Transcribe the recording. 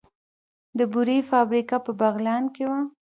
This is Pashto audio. د بورې فابریکه په بغلان کې وه